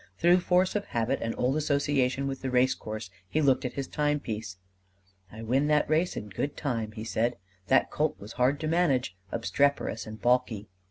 Through force of habit and old association with the race course he looked at his timepiece. "I win that race in good time," he said. "That colt was hard to manage, obstreperous and balky."